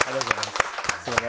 すみません。